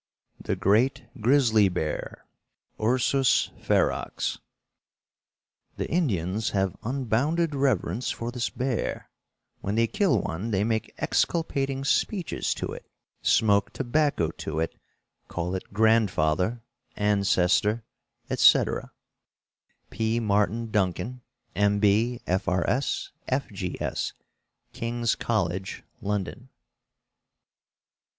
IX. THE GREAT GRIZZLY BEAR. (Ursus Ferox.) "The Indians have unbounded reverence for this bear. When they kill one, they make exculpating speeches to it, smoke tobacco to it, call it grandfather, ancestor, etc." P. MARTIN DUNCAN, M. B., F. R. S., F. G. S. Kings College, London.